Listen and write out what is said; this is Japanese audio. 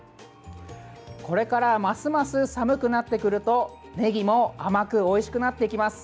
これからますます寒くなってくるとねぎも甘くおいしくなってきます。